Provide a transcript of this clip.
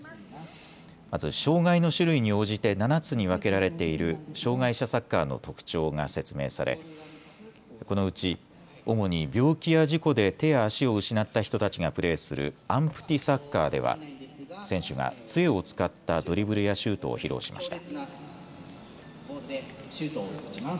まず障害の種類に応じて７つに分けられている障害者サッカーの特徴が説明されこのうち主に病気や事故で手や足を失った人たちがプレーするアンプティサッカーでは選手がつえを使ったドリブルやシュートを披露しました。